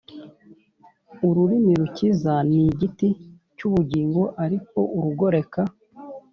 Ururimi rukiza ni igiti cy ubugingo ariko urugoreka